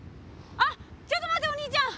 あっちょっと待ってお兄ちゃん！